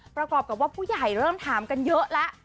ประกอบกับว่าผู้ใหญ่เริ่มถามกันเยอะแล้ว